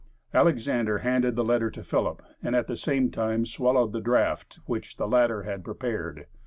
Alexander handed the letter to Philip, and at the same time swallowed the draught which the latter had prepared.